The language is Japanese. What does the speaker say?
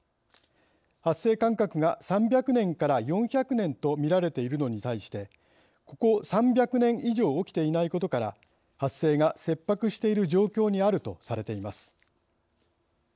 発生間隔が３００年から４００年と見られているのに対してここ３００年以上起きていないことから発生が切迫している状況にあるとされています。